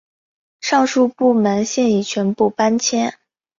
上述部门现已全部搬迁。